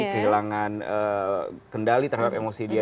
kehilangan kendali terhadap emosi dia